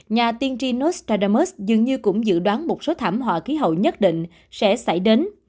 nhà tiên trinos karamus dường như cũng dự đoán một số thảm họa khí hậu nhất định sẽ xảy đến